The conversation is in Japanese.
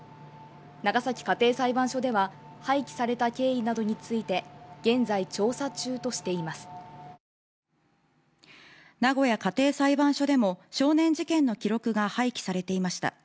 長崎家庭裁判所では廃棄された経緯などについて現在調査中としています名古屋家庭裁判所でも少年事件の記録が廃棄されていました